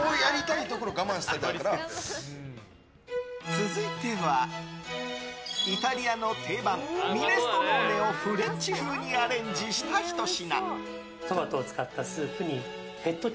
続いてはイタリアンの定番ミネストローネをフレンチ風にアレンジしたひと品。